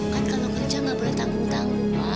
kan kalau kerja gak boleh tanggung tanggung ma